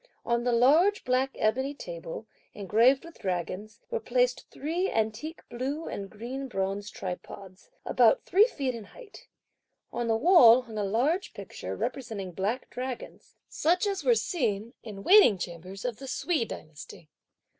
On the large black ebony table, engraved with dragons, were placed three antique blue and green bronze tripods, about three feet in height. On the wall hung a large picture representing black dragons, such as were seen in waiting chambers of the Sui dynasty.